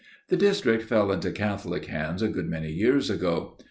The district fell into Catholic hands a good many years ago.